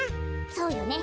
そうよね。